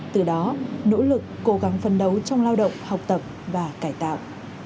từ đó nỗ lực cố gắng phân đấu trong lao động học tập và cải tạo